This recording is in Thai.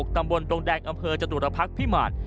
ตำบลดงแดงอำเภอจตุรพักษ์พิมาร